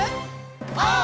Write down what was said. オー！